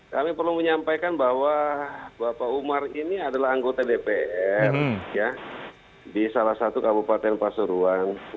kami perlu menyampaikan bahwa bapak umar ini adalah anggota dpr di salah satu kabupaten pasuruan